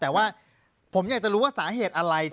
แต่ว่าผมอยากจะรู้ว่าสาเหตุอะไร